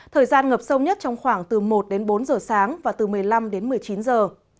thời gian ngập sâu nhất trong khoảng từ một đến bốn giờ sáng và từ một mươi năm đến một mươi chín giờ